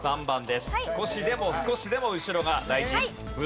少しでも少しでも後ろが大事。